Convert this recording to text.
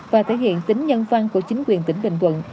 và thể hiện tính nhân văn của chính quyền tỉnh bình thuận